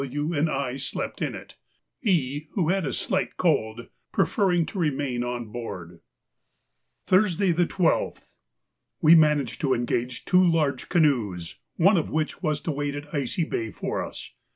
W., and I slept in it, E., who had a slight cold, preferring to remain on board. Thursday, the 12th.—We managed to engage two large canoes, one of which was to wait at Icy Bay for us.